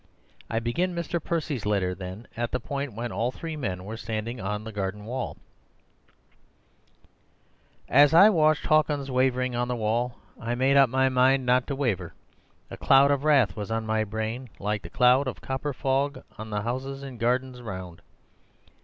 I begin Mr. Percy's letter, then, at the point when all three men were standing on the garden wall:— "As I watched Hawkins wavering on the wall, I made up my own mind not to waver. A cloud of wrath was on my brain, like the cloud of copper fog on the houses and gardens round.